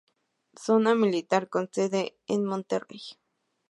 Zona Militar, con sede en Monterrey.